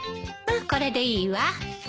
これでいいわ。